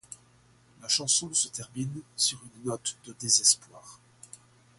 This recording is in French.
La chanson se termine sur une note de désespoir.